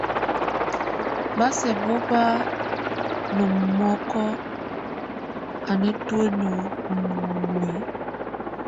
Ba sɛk bo bá nomok a nétuen ɔ númue.